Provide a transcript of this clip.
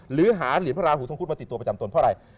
หรือหาเหรียญพระราหูทรงคุดมาติดตัวประจำตนเพราะอะไร